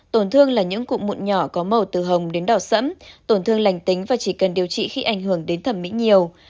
tổn thương là những cụm mụn nhỏ có màu từ hồng đến đỏ sẫm tổn thương lành tính và chỉ cần điều trị khi ảnh hưởng đến thẩm mỹ nhiều